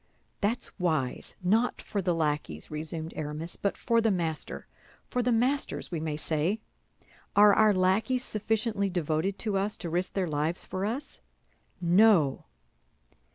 "That's wise—not for the lackeys," resumed Aramis, "but for the master—for the masters, we may say. Are our lackeys sufficiently devoted to us to risk their lives for us? No."